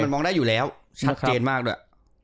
มองได้อยู่แล้วชัดเจนมากด้วย